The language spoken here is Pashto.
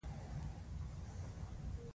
ایا ستاسو هنر ستایل شوی نه دی؟